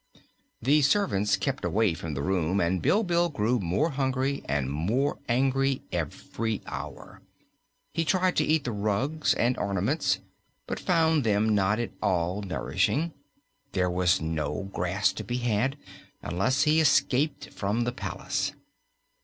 The servants kept away from the room and Bilbil grew more hungry and more angry every hour. He tried to eat the rugs and ornaments, but found them not at all nourishing. There was no grass to be had unless he escaped from the palace.